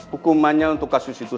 hukumannya untuk kasus itu